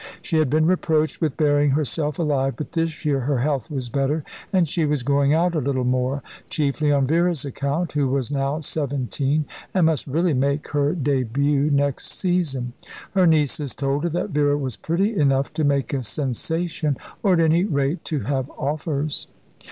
She had been reproached with burying herself alive, but this year her health was better, and she was going out a little more; chiefly on Vera's account, who was now seventeen, and must really make her début next season. Her nieces told her that Vera was pretty enough to make a sensation, or at any rate to have offers.